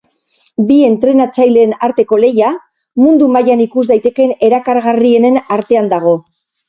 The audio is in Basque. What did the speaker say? Bi entrenatzaileen arteko lehia, mundu mailan ikus daitekeen erakargarrienen artean dago.